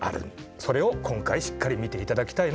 それを今回しっかり見ていただきたいなと思ってます。